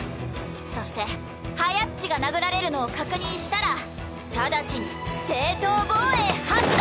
そしてはやっちが殴られるのを確認したら直ちに正当防衛発動！